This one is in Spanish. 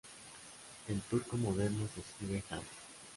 En turco moderno se escribe "han".